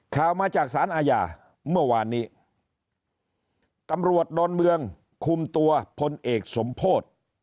ข่าวมาจากสารอาญาเมื่อวานนี้ตำรวจดอนเมืองคุมตัวพลเอกสมโพธิ